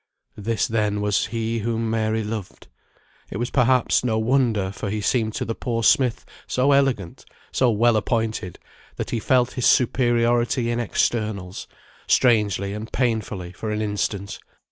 This, then, was he whom Mary loved. It was, perhaps, no wonder; for he seemed to the poor smith so elegant, so well appointed, that he felt his superiority in externals, strangely and painfully, for an instant.